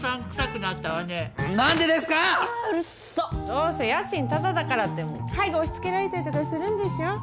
どうせ家賃タダだからって介護押しつけられたりとかするんでしょ。